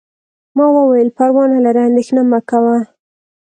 ما وویل: پروا نه لري، اندیښنه مه کوه.